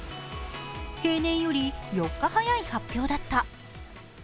平年より４日早い発表だった。